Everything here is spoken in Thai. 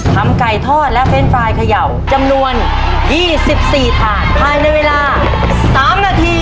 ทำไก่ทอดและเฟนต์ไฟล์เขย่าจำนวนยี่สิบสี่ถาดถ่ายในเวลาสามนาที